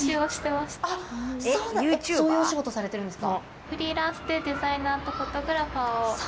そういうお仕事されてるんですか？